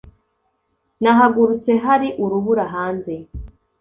Nahagurutse hari urubura hanze